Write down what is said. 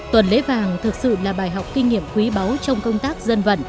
tuần lễ vàng thực sự là bài học kinh nghiệm quý báu trong công tác dân vận